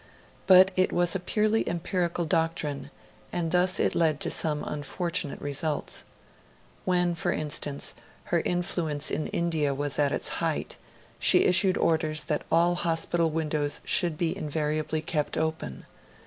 But it was a purely empirical doctrine, and thus it led to some unfortunate results. When, for instance, her influence in India was at its height, she issued orders that all hospital windows should be invariably kept open.